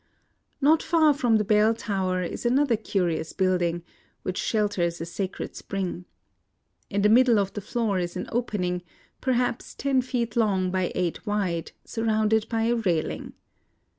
Not far from the bell tower is another curious building, which shelters a sacred spring. In the middle of the floor is an opening, perhaps ten feet long by eight wide, surrounded by a railing.